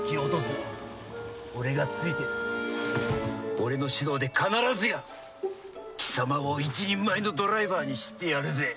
俺の指導で必ずや貴様を一人前のドライバーにしてやるぜ！